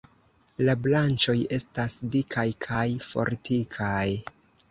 La branĉoj estas dikaj kaj fortikaj.